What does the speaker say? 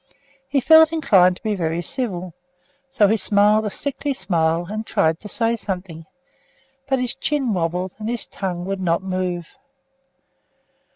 He felt inclined to be very civil, so he smiled a sickly smile and tried to say something, but his chin wobbled, and his tongue would not move.